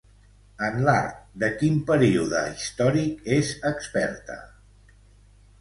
En l'art de quin període històric és experta?